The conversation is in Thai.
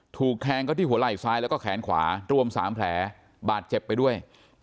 ถูกแทงเขาที่หัวไหล่ซ้ายแล้วก็แขนขวารวม๓แผลบาดเจ็บไปด้วย